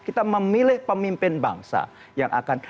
kita memilih pemimpin bangsa yang akan